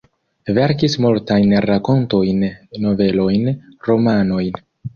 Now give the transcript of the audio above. Verkis multajn rakontojn, novelojn, romanojn.